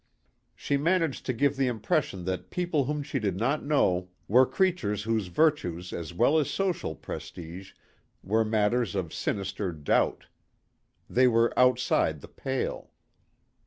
She managed to give the impression that people whom she did not know were creatures whose virtues as well as social prestige were matters of sinister doubt. They were outside the pale.